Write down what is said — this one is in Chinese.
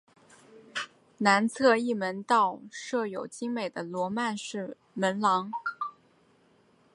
南侧翼门道设有精美的罗曼式门廊。